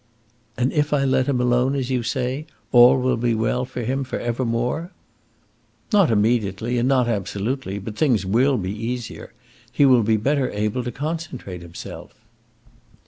"And if I let him alone, as you say, all will be well with him for ever more?" "Not immediately and not absolutely, but things will be easier. He will be better able to concentrate himself."